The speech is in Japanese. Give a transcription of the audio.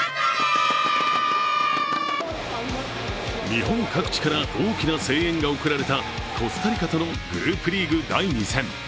日本各地から大きな声援が送られた、コスタリカとのグループリーグ第２戦。